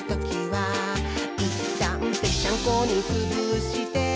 「いったんぺっちゃんこにつぶして」